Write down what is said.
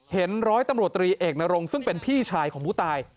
ร้อยตำรวจตรีเอกนรงซึ่งเป็นพี่ชายของผู้ตาย